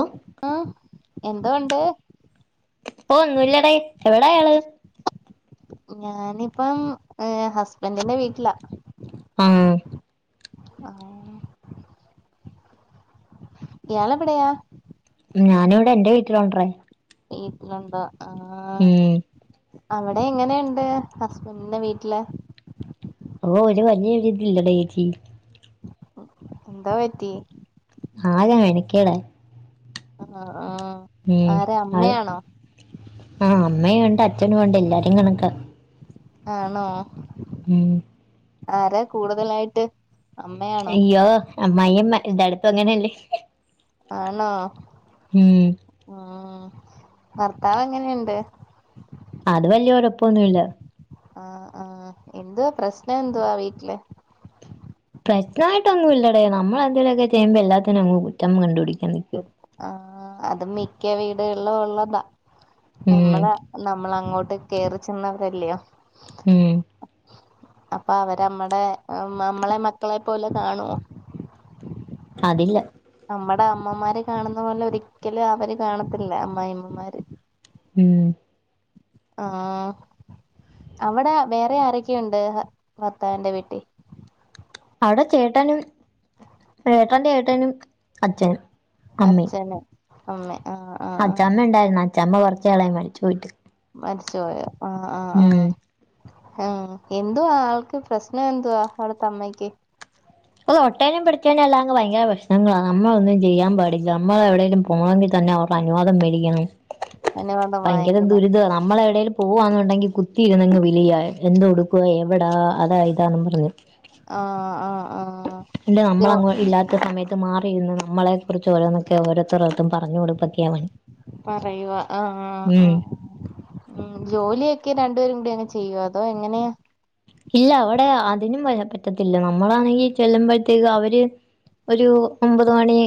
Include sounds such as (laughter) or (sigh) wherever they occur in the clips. ഓ ആ എന്തൊവൊണ്ട് ഓഹ് ഒന്നുല്ലടേ എവിടയാ ഇയാള് ഞാനിപ്പം ഹസ്ബന്റിന്റെ വീട്ടിലാ ആ ആഹ് ഇയാളെവിടയാ ഞാനിവിടെ എന്റെ വീട്ടിലോണ്ടറേ വീട്ടിലുണ്ടോ ആഹ് അവിടെ എങ്ങനെയുണ്ട് ഹസ്ബൻന്റിന്റെ വീട്ടില് ഓ ഒര് വലിയൊരുതില്ലെടെ ചേച്ചി എന്തോ പറ്റി ആകെ മെനക്കേടായി ആ ആ ആരാ അമ്മയാണോ ആഹ് അമ്മയും ഇണ്ട് അച്ഛനും ഇണ്ട് എല്ലാരും കണക്കാ ആണോ? മ്മ് ആരാ കൂടുതലായിട്ട് അമ്മയാണോ അയ്യോ അമ്മായിമ്മ എല്ലാടത്തും അങ്ങനെയല്ലേ ആണോ ഉം ഉ ഭർത്താവ് എങ്ങനെയിണ്ട് അത് വലിയ കൊഴപ്പൊന്നുല്ല ആഹ് ആഹ് എന്തുവാ പ്രശ്നം എന്തുവാ വീട്ടില് പ്രശ്നായിട്ടൊന്നുല്ലെടെ നമ്മെളെന്തെലുവൊക്കെ ചെയ്യുമ്പോ എല്ലാത്തിനും കുറ്റം കണ്ടുപിടിക്കും ആ അത് മിക്ക വീടുകളിലും ഒള്ളതാ ഉം നമ്മള് നമ്മൾ അങ്ങോട്ട് കേയറിച്ചെന്നവരല്ലിയോ ഉം അപ്പൊ അവരമ്മടെ നമ്മളെ മക്കളെ പോലെ കാണുവോ അതില്ല നമ്മടെ അമ്മമാര് കാണുന്ന പോലെ ഒരിക്കലും അവര് കാണത്തില്ല അമ്മായിമ്മമാര് ഉം ആഹ് അവിടെ വേറെ ആരൊക്കെയുണ്ട് ഭർത്താന്റെ വീട്ടിൽ. അവിടെ ചേട്ടനും ഏട്ടൻ ഏട്ടനും അച്ഛനും. അമ്മയും അച്ഛനും അമ്മെ. അച്ചമ്മ ഉണ്ടായിരുന്നു അച്ചമ്മ കുറച്ച നാളായി മരിച്ച്പോയിട്ട്. മരിച്ചുപോയ. ഉം ഉം എന്തുവാ ആൾക്ക് പ്രശ്നം എന്തുവാ അവിടുത്ത അമ്മയ്ക്ക്. അ ഒട്ടേനും പിടിച്ചേും അല്ലാങ്ക ഭയര ഭശ്നങ്ങളാണ് നമ്മള ഒന്നും ചെയ്യാൻാടില്ല നമ്മൾ എവിടെേലിലും പോണെങ്കിൽ തന്നെ. അനുവാദം മേടിക്കണം അനുവാദം ഭയങ്കര വാങ്ങിക്കണം ദുരിതയാണ് നമ്മൾ എവിടേലും.. പോവാന്നുണ്ടെങ്കി കുത്തിരുന്നെങ് വിളിയ എന്ത് ഇടുക്കുവ എവിടാ അതാ ഇതാന്ന് പറഞ്ഞു. ആഹ് ആഹ ഇല്ല നമ്മൾ അങ്ങോട്ട്ഇല്ലാത്ത സമയത്ത് മാറിയിരുന്ന് നമ്മളെ കുറിച്ച് ഓരോന്നൊക്കെ ഓരോരുത്തരോടും.. പറഞ്ഞ്കൊടുത്തക്കെണ് പറയുവ ആഹ് ആഹ് ഉം ആഹ് ഉം ജോലിയൊക്കെ രണ്ടുപേരും കൂടി അങ്ങെ ചെയ്യുവ അതോ എങ്ങനെയാ. ഇല്ല അവിടെ അതിനും വ പറ്റത്തില്ല നമ്മളാണെങ്കി ചെല്ലുമ്പോഴത്തേക്ക് അവര്. ഒരു ഒമ്പത് മണി.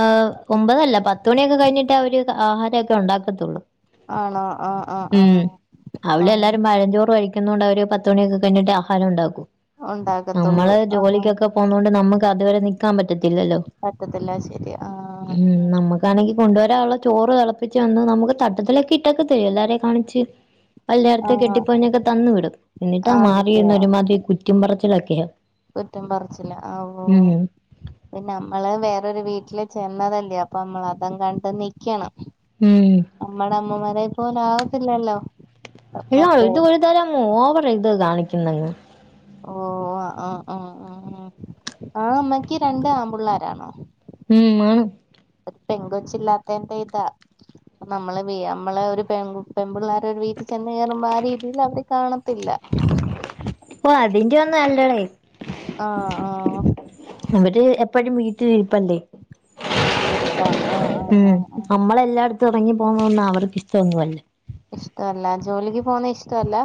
ഹ് ഒമ്പതല്ല പത്തുമണിയൊക്കെ കഴിഞ്ഞിട്ട് അവര് ആഹാരമൊക്കെ ഉണ്ടാക്കത്തുള്ളൂ. ആണോ ആഹ് ആഹ് ഉം ആഹ് ആഹ് അവിടെഎല്ലാരും പഴഞ്ചോറ് കഴി ണ്ട ഒരു പ ത്ത്മണിയക്കെ കഴിഞ്ഞട്ട് ആഹാരം ഉണ്ടാക്കും. ഉണ്ട നമ്മള് ജോലിക്കൊക്കെ പോകുന്നത കൊണ്ട് നമുക്ക് അതുവരെ നിക്കാൻ പറ്റത്തില്ലല്ലോ. പറ്റത്തില്ല ശരി ആഹ് ഉം നമ്മുക്കാണെങ്കിൽ കൊണ്ടുവരാനുള്ള ചോറ്. തിളപ്പിച്ച് തന്ന് നമുക്ക് തട്ടത്തിലലൊക്കെ ഇട്ടൊക്കെ തരുോ എല്ലാരും കാണിച്ച്. ആഹ് കെട്ടിപ്പോഞ്ഞൊക്കെ തന്നു വിടും എന്നിട്ടാ മാറിന്നഒരുമാതിരി കുറ്റി പററച്ചിലൊക്കെയ... കുറ്റും പറച്ചില്ല ഓ പിന്ന നമ്മള് വേറെ. വീട്ടിൽ ചെന്നല്ലേ അ പൊനമ്മൾ അതുകൊണ്ട് നിക്കണം ഉം നമ്മമ്മ.. അതേ പോല ആാവത്തില്ലല്ലോ. ഇല്ല ഇത് ഒരുതരം ഹോവർ ഇത് കാണിക്കുന്നങ്ങ്. ഓ ആ ആ ഉ ഉ ആഹ അമ്മക്ക് രണ്ട് ആമ്പള്ളോരണോ. ഉം മാണ്. അത് പെൻ കൊച്ച് ഇില്ലാത്തന്റെ ഇതാ. നമ്മള് നമ്മള ഒരുെ പെൺമ്പുള്ളാര ഒരു വീട്ടിൽ. ചെന്ന് കയറുമ്പോ ആ രീതിൽ അവര് കാണത്തില്ല. അപ്പൊ അതിന്റെ ഒന്നല്ലോ. ആഹ് ആഹ് ഇവരെ എപ്പഴും വീട്ടില് ഇരു പല്ല്. ശരി എരിപ്പാ ആഹ് ആഹ് ആഹ് ആഹ തുടങ്ങി പോകുന്നന്ന അവർക്ക് ഇഷ്ടമൊന്നുമല്ലേ. ഇഷ്ട അല്ല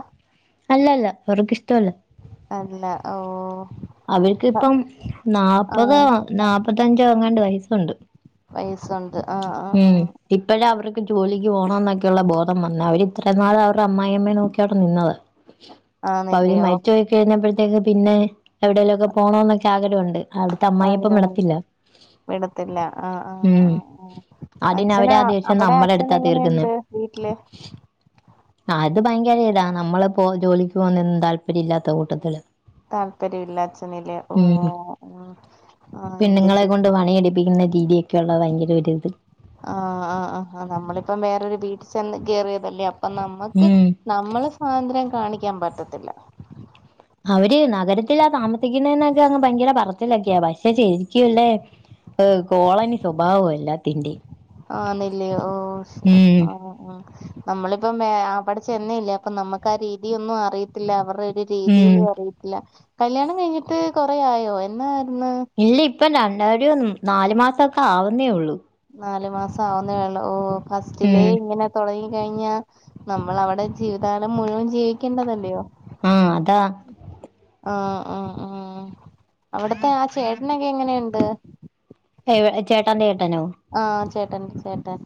അല്ലല്ല അവർക്ക് ഇഷ്ടല്ല. അല്ല ഓ അവർക്ക് ഇപ്പം നാല്പതോ ആഹ് നാല്പത്തഞ്ചോ അങ്ങാണ്ട് വയസ്സുണ്ട്. വയസുണ്ട് ആഹ് ആഹ് ഉം ആഹ് ഇപ്പഴാഅവർ. ജോലിക്ക് പോകണം എന്നൊക്കെയുള്ള ബോധം വന്ന് അവര്രിത്രയും നാൾ അവരുടെ അമ്മായിമ്മെ നോക്കിയ അവിടെ നിന്നതാ. അപ്പ അവര് ആന്നില്ലയോ മരിച്ചുപോയി കഴിഞ്ഞപ്പോഴത്തേക്ക് പിന്നെ എവിടെേലും ഒക്കെ പോണ എന്നൊക്കെ ആഗ്രഹമുണ്ട്. അവിടുത്തെ അമ്മായിപ്പൻ ആഗ്രഹമുണ്ട് വിടത്തില്ല. വിടത്തില്ല ആ ആ ഉം ആ. അച്ഛന അതിനവരാ ദേഷ്യം അവിടെ നമ്മളെ അച്ഛൻ അടുത്താ തീർക്കുന്നെ എങ്ങനെയുണ്ട് വീട്ടില്. ആ അത് ഭയങ്കര ഇതാ നമ്മള് പോ ജോലിക്ക് പോകുന്നും താല്പര്യം ഇല്ലാത്ത കൂട്ടത്തില്. താല്പര്യം ഇല്ലാത്ത നില ഓ. ഉം ആഹ് എന്റെ ചേ പെണ്ണുങ്ങളെ കൊണ്ട് പണിയടിപ്പിക്കുന്ന രീതിയൊക്കെയള്ള ഭയങ്കര ഒരുത്. ആ ആ ആ ആ നമ്മളിപ്പം വേറൊരു വീട് ചെന്ന്, കേയറിയതല്ലേ അപ്പൊ നമ്മുക്ക് ഉം നമ്മള് സ്വാതന്ത്ര്യം കാണിക്കാൻ പറ്റത്തില്ല. അവര്, നഗരത്തിലാതാമസിക്കുന്നഎന്നൊക്കെ. അങ്ങ് ഭയങ്കര പറച്ചിലേക്കെ പഷേ ശരിക്കുംല്ലേ ഏ, കോളനി സ്വഭാവം എല്ലാത്തിതിന്റെ ആ നെല്ല് ഓ ആ നമ്മളിപ്പം അവിടെ ചെന്നല്ലേ അപ്പൊ നമുക്ക് ആ രീതിയൊന്നും, അറിയത്തില്ല, അവരു രീതിയിൽ ഉം അറിയത്തില്ല കല്യാണം കഴിഞ്ഞിട്ട് കൊറയോ എന്ന? ഇല്ല ഇപ്പം യിരും നാല് മാസൊക്കെ ആവുന്നേ ഉള്ളൂ നാല് മാസം ആവുന്ന ഒള്ളു. ഓ ഫസ്റ്റിലേ ഉം ഇങ്ങനെ തുടങ്ങി. കഴിഞ്ഞാ. നമ്മൾ അവിടെ ജീവിതകാലം മുഴുവൻ ജീവിക്കേണ്ടതല്ലയോ. ആ അതാ ആ ഉ ഉ അവിടത്തെ ആ ചേട്ടനൊക്കെ എങ്ങനെയുണ്ട്? ചേട്ടാന്റെ ആ ചേട്ടൻ ചേട്ടാൻ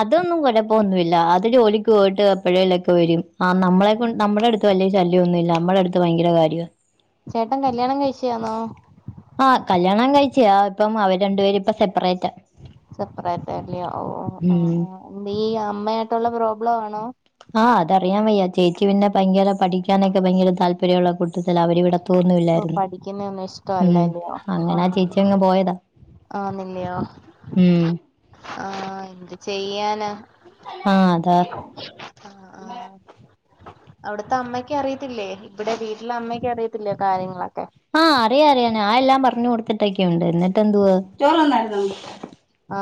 അതൊന്നും കുഴപ്പൊന്നുമില്ല. അത് ജോലിക്ക് പോയിട്ട് എപ്പോഴേലൊക്കെ വരും ആ നമ്മളെ നമ്മുടെ അടുത്ത് വലിയ ശല്യംന്നുമില്ല മ്മുടെ അടുത്ത് ഭയങ്കര കാര്യമാണ്. ചേട്ടൻ കല്യാണം കഴിച്ചാന്നോ? ആ കല്യാണം കഴിച്ച ഇപ്പം അവര് രണ്ടു പേര് ഇപ്പ സെപ്പറേറ്റ്. സെപ്പറേറ്റ് അല്ല ഓ ഉം ഓ ഈ അമ്മയായിട്ടുള്ള പ്രോബ്ലം ആണോ? ആഹ് അതഅറിയൻവയ്യചേച്ചിപിന്നെ ഭയങ്കര പഠിക്കാനൊക്കെ ഭയങ്കര താല്പര്യമുള്ള കൂട്ടത്തി അവര ഇവിടെ ഓ തോന്നില്ലായിരുന്നു പഠിക്കുന്നയൊന്നും ഉം, ഇഷ്ടവല്ലല്ലയോ അങ്ങനെ ആ ചേച്ചിങ്ങ് പോയതാ. ആന്നില്ലയോ. ഉം ആ എന്ത് ചെയ്യാന. ആ അതാ. ഇപ്പ അമ്മയ്ക്ക് അറിയത്തില്ലേ, ഇവിടെ വീട്ടിലെ അമ്മയ്ക്ക് അറിയത്തില്ലേ കാര്യങ്ങളൊക്കെ? ആ അറിയ അറിയാ ഞാൻ എല്ലാം പറഞ്ഞു കൊടുത്തിട്ടൊക്കെയുണ്ട്, എന്നിട്ട് എന്തോ. ആ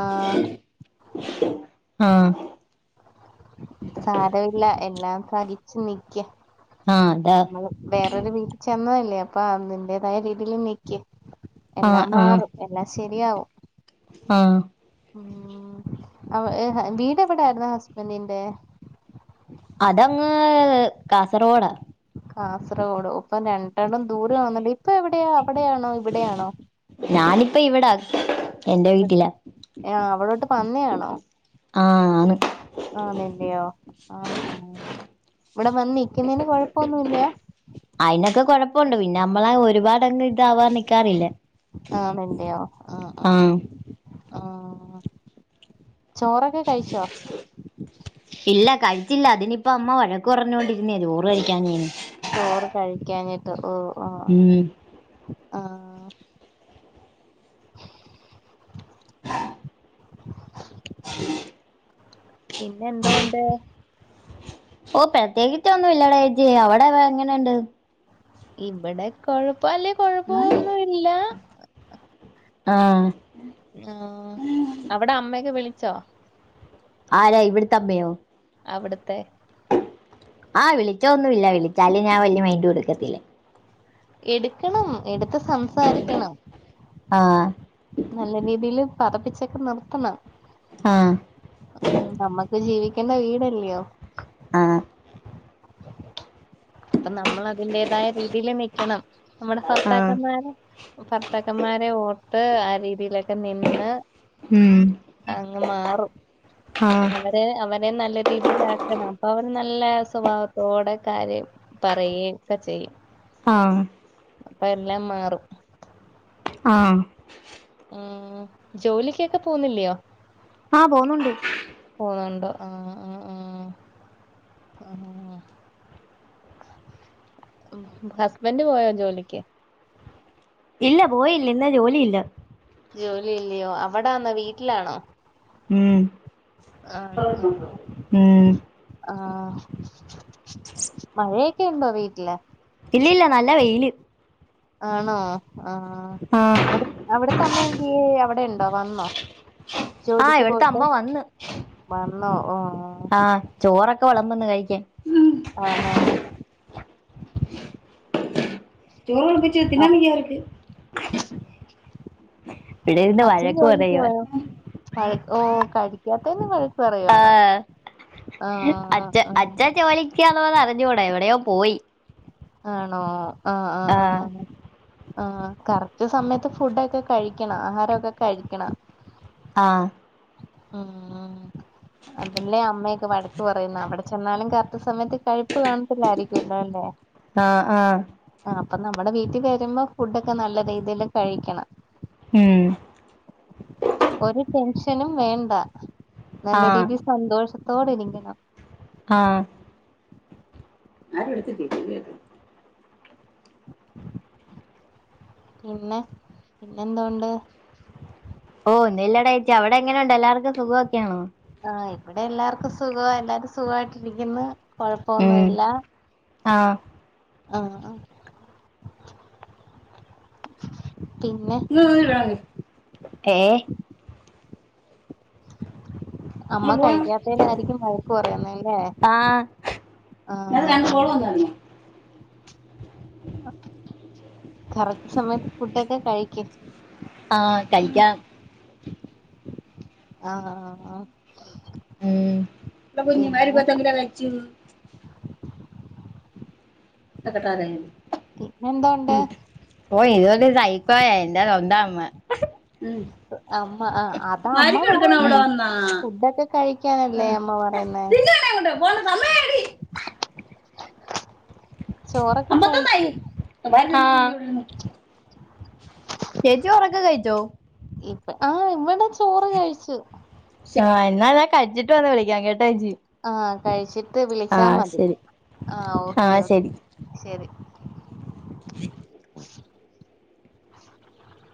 ആ സാരവില്ല എല്ലാം സഹിച്ചു നിക്ക ആ അതാ നമ്മള് വേറരു വീട്ടിൽ ചെന്നല്ലേ അപ്പൊ അതിന്റെദായ രീതിൽ നിക്കും. ആ എല്ലാം ആ മാറും, എല്ലാം ശരിയാവും ആ ഉ വീട് എവിടൊയിുന്നോ ഹസ്ബൻറിന്റെ? അതങ്ങ് കാസർഗോഡാ കാസർഗോഡോ, ഇപ്പൊ രണ്ടാളും ദൂരം ആന്നല്ലേ. ഇപ്പൊ എവിടെയാ? അവിടയാണോ ഇവിടെയാണോ? പി വിട എ ആ് അവിടോട്ട് പന്നിയാണോ ആഹ്. ആണ് ആ (unintelligible) ആഹ. ആ ഇവിടെ വന്നിക്കുന്നതിന് കൊഴപ്പൊന്നുല്ല്യാ അയിനൊക്കെ കൊഴപ്പോണ്ട്, പിന്നെ നമ്മള ഒരുപാട്ങ്ങ് ഇതാവാൻ നിക്കാറില്ലേ. ആഹ. വണ്ടിയോ ആഹ ആഹ ആ ആഹ ചോറൊക്കെ കഴിച്ചോ? ഇല്ല കഴിച്ചില്ല അതിനിപ്പം അമ്മ വഴക്ക് കു പറഞ്ഞുകൊണ്ടിുന്നേ. ചോർ കഴിക്കാഞെന് ചോറ് കഴിക്കാഞ്ഞിട്ട്. ഓ ഉം ആഹ പിന്നെ എന്തോണ്ട് ഓ പ്രത്യേകിച്ച ഒന്നും ഇല്ലടേജി അവിടെ വ എങ്ങനെയണ്ട് ഇവിടെ കൊഴപ്പ അല്ലെ കൊഴപ്പൊന്നുംല്ല ആഹ ആ അവിടെ അമ്മയൊക്കെ വിളിച്ചോ ആരാ ഇവിട്ത്ത അമ്മയോ അവ്ട്ത്തെ ആഹ വിളിച്ച ഒന്നുമില്ല വിളിച്ചലും ഞാൻ വല്യ മൈൻഡ് കൊടുക്കത്തില്ല എടുക്കണം എടുത്ത് സംസാരിക്കണം ആ നല്ല രീതിയില് പത്തപ്പിച്ചൊക്കെ നിർത്തണം ആഹ ഉ നമ്മക്ക് ജീവിക്കേണ്ട വീടല്ലയോ ആ അപ്പൊ നമ്മൾ അതിന്റേതായ രീതീല് നിക്കണം നമ്മുടെ ആ ഭർത്താക്കന്മാരെ ഭർത്താക്ക ക്കന്മാരെ ഓർത്ത് ആ രീതിയില്ലോ ഒക്കെ നിന്ന് ഉം അങ്ങ് മാറും ആ അവരെ അവരെ നല്ല രീതിൽ ആക്കണം അപ്പൊ അവ നല്ല സ്വഭാവത്തോടെ കാര്യം പറയെമ് ഒക്കെ ചെയ്യും ആഹ അപ്പ എല്ലാം മാറും ആഹ ഉ ജോലിക്കൊക്കെ പോന്നില്ലയോ ആഹ് പോകുന്നുണ്ട് ഉ ഉ ഉ ഉ ഉ ഉ ഹസ്ബന്ഡ് പോയോ ജോലിക്ക് ഇല്ല പോയില്ല ഇന്ന് ജോലിയില്ല ജോലി ഇല്ലയോ അവിടാന്നോ വീട്ടിലാണോ ഉം ആണോ ആഹ് ഉം ആഹ് മഴയൊക്കെ ഉണ്ടോ വീട്ടില് ഇല്ല ഇല്ല നല്ല വെയില് ആണോ ആ ആഹ് അവിടെ അവിടത്തഅമ്മ എന്തിയെ അവിടെ ഇണ്ടോ വന്നോ ആഹ ജോലിക്ക് ഇവിടുത്ത പോയിട്ട് അമ്മ വന്ന് വന്നോ ഓഹ് ആഹ ചോറൊക്കെ വള (unintelligible) ആണോ ചോർ വളമ്പി വെച്ചത് തിന്നാൻ വയ്യ അവര്ക് അച്ഛൻ ജോലിക്ക് പറയുവാ പോയോ ക ഓ കഴിക്കാത്തത്തിന്‌ വഴ ആ പറയുവാണോ ആഹ് അച്ച ആഹ് അച്ഛാ ചോലിക്കാന്ന് അറിഞ്ഞൂടാ എവിടെയോ പോയി ആണോ ആ ആ ആ ആഹ് ആ കറക്റ്റ് സമയത്ത് ഫുഡൊക്കെ കഴിക്കണം ആഹാരമൊക്കെ കഴിക്കണം ആ ഉ അതല്ലേ അമ്മയൊക്കെ വഴക്ക് പറയുന്നു അവിടെ ചെന്നാലും കറക്റ്റ് സമയത്ത് പയിപ്പ് കാണത്തില്ലായിരിക്കുംല്ലോ അല്ലേ ആഹ് ആഹ് ആ അപ്പൊ നമ്മുടെ വീട്ടിൽ വരുമ്പോ ഫുഡൊക്കെ നല്ല രീതിൽ കഴിക്കണം ഉം ഒരു ടെൻഷനും വേണ്ട നല്ല ആഹ് രീതിയിൽ സന്തോഷ തോടെ ഇരിക്കണം ആ ആരും എടുത്തിട്ട കേ പിന്നെ പിന്നെന്തോണ്ട്? ഓ ഒന്നൂല്ലെടെച്ചി അവിടെ എങ്ങനൊണ്ട് എല്ലാവർക്കും സുഖമൊക്കെയാണോ? ആഇവിടെ എല്ലാർക്കും സുഖവാ എല്ലാരും സുഖായിട്ടിരിക്കുന്നു കൊഴപ്പൊന്നും ഉം ഇല്ല ആഹ് ആ ഏ അമ്മ കഴിക്കാത്തേനായിരിക്കും വഴക്ക് പറയുന്നേ ആഇതിനാത്തു രണ്ടു കോള് ആഹ് വന്നായിരുന്നോ? കറക്റ്റ് സമയത്ത് ഫുഡൊക്കെ കഴിക്ക്‌ ആ കഴിക്കാം ആ ആ ആഹ് ഉം കുഞ്ഞു മാരി പിന്നെ പത്തങ്കില വെച്ചു പിന്നെന്തോണ്ട് ഓ ഇത് ഒരു സൈക്കോയാ എന്റെ സ്വന്തം അമ്മ അ അമ്മ ആ അതാ അമ്മ ഇവിടെ പറയുന്നത് വന്നാ ഫുഡൊക്കെ കഴിക്കാനല്ലേ അമ്മ പറയുന്നേ ഇട്ടെ പെണ്ണെ അങ്ങോട്ട് പോണ്ട സമയയാടി ചോറൊക്കെ കഴിക്ക്‌ ആ ചേച്ചി ഓറക്കെ കഴിച്ചോ ഇപ്പ ആ ഇവിടെ ചോറ് കഴിച്ചു ആ എന്നാ ഞാൻ കച്ചിട്ട് വന്ന് വിളിക്കാം കേട്ടോച്ചി ആ കഴിച്ചിട്ട് വിളിച്ചാൽ മതി ശരി ആ ഓക്കെ ആഹ് ഓക്കേ ശെരി ഉ (unintelligible) (inaudible)